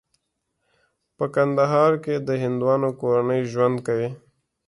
په کندهار کې د هندوانو کورنۍ ژوند کوي.